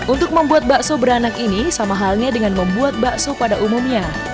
untuk membuat bakso beranak ini sama halnya dengan membuat bakso pada umumnya